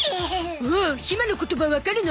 おお！ひまの言葉わかるの？